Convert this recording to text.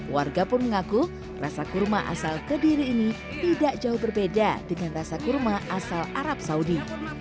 warga pun mengaku rasa kurma asal kediri ini tidak jauh berbeda dengan rasa kurma asal arab saudi